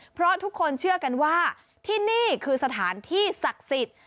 เพราะทุกคนเชื่อกันว่าที่นี่คือสถานที่ศักดิ์สิทธิ์